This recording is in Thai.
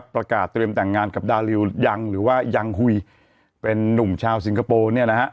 ประกาศเตรียมแต่งงานกับดาริวยังหรือว่ายังหุยเป็นนุ่มชาวสิงคโปร์เนี่ยนะฮะ